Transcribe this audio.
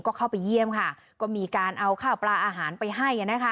ก็เข้าไปเยี่ยมค่ะก็มีการเอาข้าวปลาอาหารไปให้นะคะ